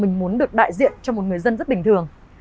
mình muốn được đại diện cho một người dân rất bình thường